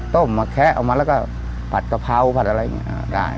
มาแคะเอามาแล้วก็ผัดกะเพราผัดอะไรอย่างนี้ได้